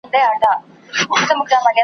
چي یې تباه کړل خپل ټبرونه .